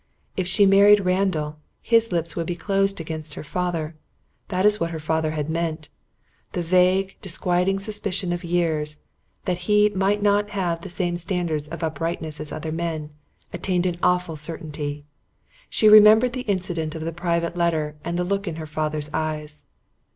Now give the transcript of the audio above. If she married Randall, his lips would be closed against her father. That is what her father had meant. The vague, disquieting suspicions of years that he might not have the same standards of uprightness as other men, attained an awful certainty. She remembered the incident of the private letter and the look in her father's eyes....